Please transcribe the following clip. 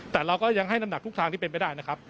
แต่เราก็ยังให้น้ำหนักทุกทางที่เป็นไปได้นะครับ